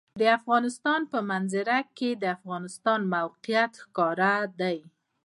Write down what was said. د افغانستان په منظره کې د افغانستان د موقعیت ښکاره ده.